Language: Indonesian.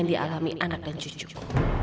yang dialami anak dan cucu